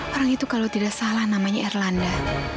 orang itu kalau tidak salah namanya erlanda